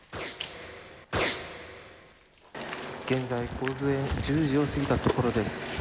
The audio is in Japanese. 現在、午前１０時を過ぎたところです。